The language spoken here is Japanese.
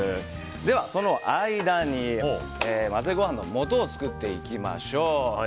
ではその間に、混ぜご飯のもとを作っていきましょう。